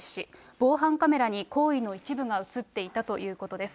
防犯カメラに行為の一部が写っていたということです。